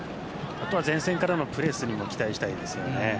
あとは前線からのプレスにも期待したいです。